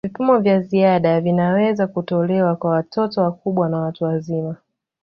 Vipimo vya ziada vinaweza kutolewa kwa watoto wakubwa na watu wazima.